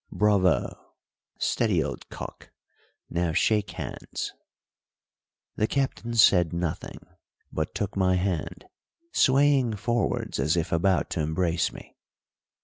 Bravo! Steady, old cock now shake hands." The Captain said nothing, but took my hand, swaying forwards as if about to embrace me.